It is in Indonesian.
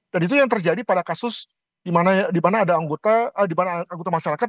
dan itu yang terjadi pada kasus di mana ada anggota masyarakat